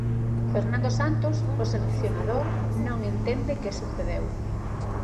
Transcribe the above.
Fernando Santos, o seleccionador, non entende que sucedeu.